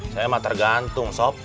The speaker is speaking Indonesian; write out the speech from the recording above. saya mah tergantung sob